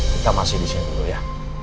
kita masih disini dulu ya